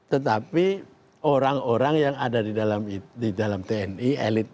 tetapi orang orang yang ada di dalam tni